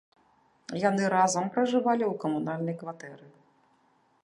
Яны разам пражывалі ў камунальнай кватэры.